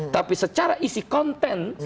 tapi secara isi konten